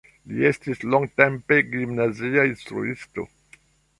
Li estis longtempe gimnazia instruisto.